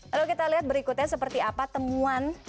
lalu kita lihat berikutnya seperti apa temuan